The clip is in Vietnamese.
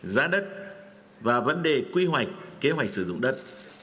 giá đất và vấn đề quy hoạch kế hoạch sử dụng đất